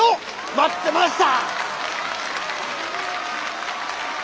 待ってました！